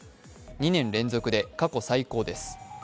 ２年連続で過去最高です。